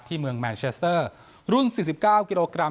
เมืองแมนเชสเตอร์รุ่น๔๙กิโลกรัม